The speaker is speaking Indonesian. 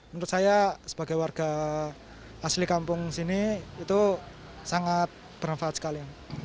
menurut saya sebagai warga asli kampung sini itu sangat bermanfaat sekali